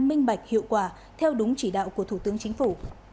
minh bạch hiệu quả theo đúng chỉ đạo của thủ tướng chính phủ